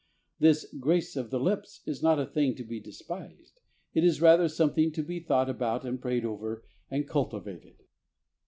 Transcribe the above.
This "grace of the lips" is not a thing to be despised. It is rather something to be thought about and prayed over and culti vated.